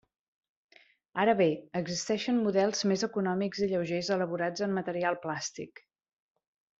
Ara bé, existeixen models més econòmics i lleugers elaborats en material plàstic.